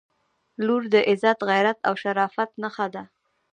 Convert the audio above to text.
• لور د عزت، غیرت او شرافت نښه ده.